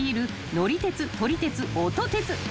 乗り鉄・撮り鉄・音鉄］